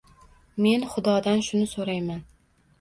Men Xudodan shuni so‘rayman.